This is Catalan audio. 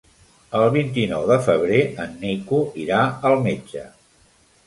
El vint-i-nou de febrer en Nico irà al metge.